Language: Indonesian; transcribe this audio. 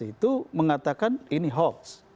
itu mengatakan ini hoax